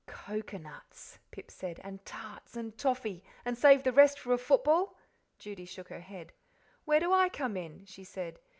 "Coconuts," Pip said, "and tarts and toffee, and save the rest for a football?" Judy shook her head. "Where do I come in?" she said.